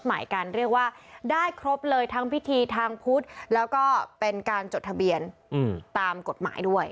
หมายการเรียกว่าได้ครบเลยทั้งพิธีทางพุทธแล้วก็เป็นการจดทะเบียนตามกฎหมายด้วย